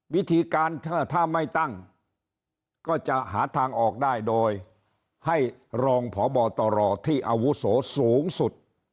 วิธีการถ้าไม่ตั้งก็จะหาทางออกได้โดยให้รองพบตรที่อาวุโสสูงสุด